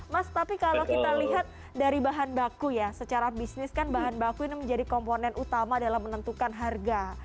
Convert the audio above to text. mas tapi kalau kita lihat dari bahan baku ya secara bisnis kan bahan baku ini menjadi komponen utama dalam menentukan harga